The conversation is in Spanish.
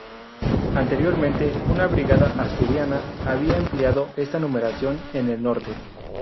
Anteriormente una brigada asturiana había empleado esta numeración en el norte.